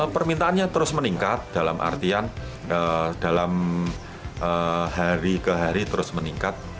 permintaannya terus meningkat dalam artian dalam hari ke hari terus meningkat